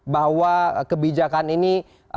bahwa kebijakan ini